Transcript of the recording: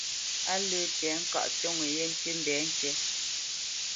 Á lə́ tɛ̌ŋkaʼ ntoŋə yé ntî mbɛ̌ ŋkǐ.